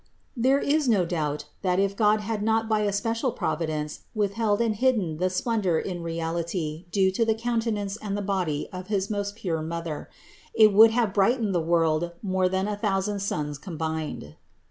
There is no doubt, that if God had not by a special provi dence withheld and hidden the splendor in reality due to the countenance and the body of his most pure Mother, it would have brightened the world more than a thousand suns combined.